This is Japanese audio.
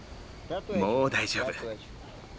もう大丈夫。